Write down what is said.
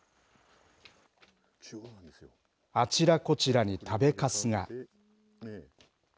あちらこちらに食べかすが。